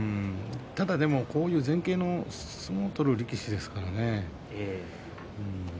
ただ、前傾の相撲を取る力士ですからね。